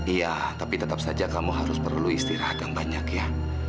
iya tapi tetap saja kamu harus perlu istirahat yang banyak ya